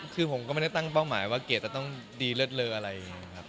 คือผมก็ไม่ได้ตั้งเป้าหมายว่าเกตต้องดีเลิศเลยอะไรครับ